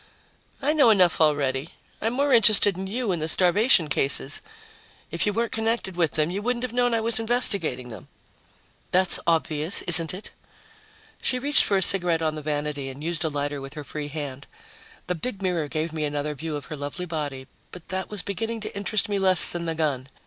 "I know enough already. I'm more interested in you and the starvation cases. If you weren't connected with them, you wouldn't have known I was investigating them." "That's obvious, isn't it?" She reached for a cigarette on the vanity and used a lighter with her free hand. The big mirror gave me another view of her lovely body, but that was beginning to interest me less than the gun.